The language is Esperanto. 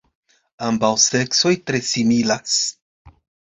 Ambaŭ seksoj tre similas.